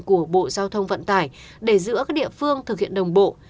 của bộ giao thông vận tải để giữa các địa phương thực hiện đồng bộ